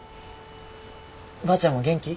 ばあちゃんも元気？